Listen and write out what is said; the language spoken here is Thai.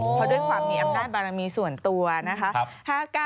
เพราะด้วยความมีอำนาจบารมีส่วนตัวนะคะ